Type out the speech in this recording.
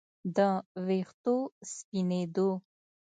د ویښتو سپینېدو